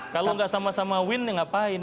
kalau nggak sama sama win ya ngapain